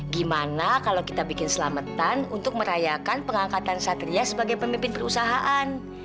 gimana kalau kita bikin selamatan untuk merayakan pengangkatan satria sebagai pemimpin perusahaan